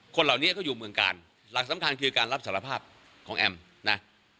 คนเหล่านี้เขาอยู่เมืองกาลหลักสำคัญคือการรับสารภาพของแอมนะ